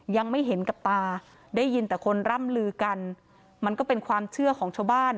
ยังไม่เห็นกับตาได้ยินแต่คนร่ำลือกันมันก็เป็นความเชื่อของชาวบ้าน